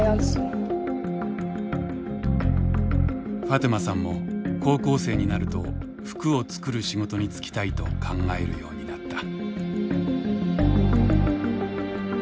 ファトゥマさんも高校生になると服を作る仕事に就きたいと考えるようになった。